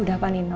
udah pak nino